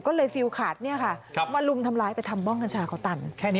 ก็เลยฟิลขาดเนี่ยค่ะมาลุมทำร้ายไปทำบ้องกัญชาเขาตันแค่นี้